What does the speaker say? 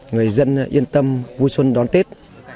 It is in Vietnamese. người dân yên tâm vui xuân đón tết